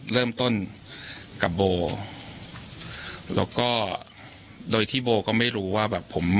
เริ่มต้นกับโบแล้วก็โดยที่โบก็ไม่รู้ว่าแบบผม